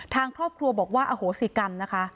ทางครอบครัวบอกว่าอโหสิกรรมนะคะ